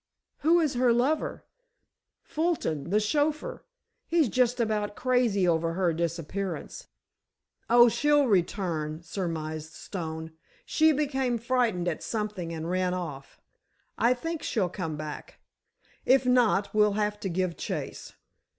"Who is her lover?" "Fulton, the chauffeur. He's just about crazy over her disappearance." "Oh, she'll return," surmised Stone. "She became frightened at something and ran off. I think she'll come back. If not, we'll have to give chase.